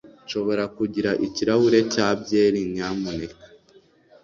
Nshobora kugira ikirahure cya byeri, nyamuneka.